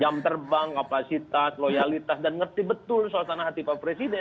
jam terbang kapasitas loyalitas dan ngerti betul suasana hati pak presiden